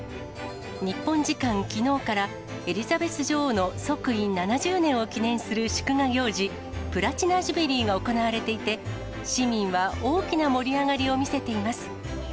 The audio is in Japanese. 日本時間きのうから、エリザベス女王の即位７０年を記念する祝賀行事、プラチナ・ジュビリーが行われていて、市民は大きな盛り上がりを見せています。